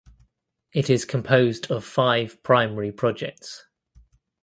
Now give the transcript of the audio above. It is composed of five primary projects.